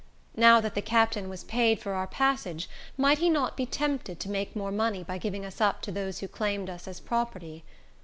Now that the captain was paid for our passage, might he not be tempted to make more money by giving us up to those who claimed us as property?